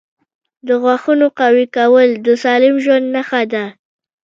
• د غاښونو قوي کول د سالم ژوند نښه ده.